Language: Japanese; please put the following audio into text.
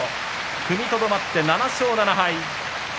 踏みとどまって７勝７敗。